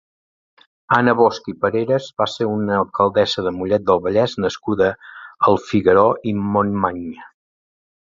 Anna Bosch i Pareras va ser una alcaldessa de Mollet del Vallès nascuda al Figueró i Montmany.